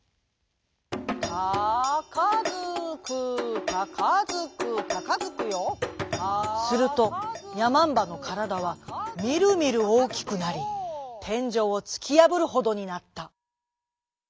「タカヅクタカヅクタカヅクヨ」するとやまんばのからだはみるみるおおきくなりてんじょうをつきやぶるほどになった。